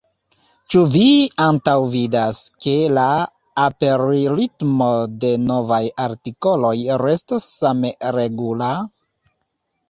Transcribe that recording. Ĉu vi antaŭvidas, ke la aperritmo de novaj artikoloj restos same regula?